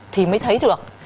thì mới thấy được